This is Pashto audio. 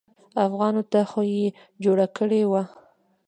افغان ته خو يې جوړه کړې وه.